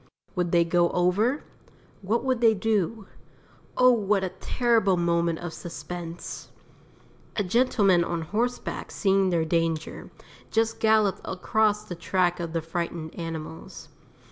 Would they go over? What would they do? Oh, what a terrible moment of suspense. A gentleman on horseback seeing their danger, just galloped across the track of the frightened animals.